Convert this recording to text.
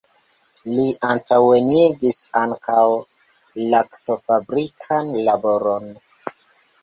Li antaŭenigis ankaŭ laktofabrikan laboron.